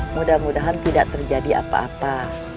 mudah mudahan tidak terjadi apa apa